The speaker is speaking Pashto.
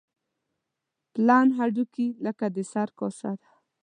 پلن هډوکي لکه د سر کاسه ده.